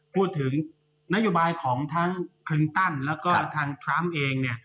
พูดถึงนโยบายของทั้งวัฒนธรรมและทั้งวัฒนธรรมเอง